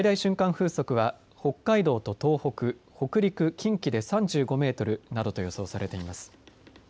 風速は北海道と東北、北陸、近畿で３５メートルなどと予測されています。